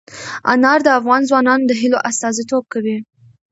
انار د افغان ځوانانو د هیلو استازیتوب کوي.